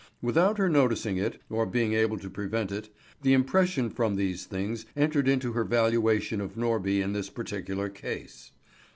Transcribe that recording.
Without her noticing it, or being able to prevent it, the impression from these things entered into her valuation of Norby in this particular case.